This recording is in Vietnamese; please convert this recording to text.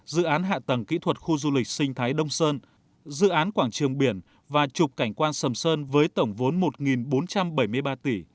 dự án hạ tầng kỹ thuật khu du lịch sinh thái đông sơn dự án quảng trường biển và trục cảnh quan sầm sơn với tổng vốn một bốn trăm bảy mươi ba tỷ